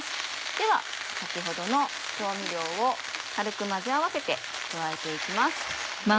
では先ほどの調味料を軽く混ぜ合わせて加えて行きます。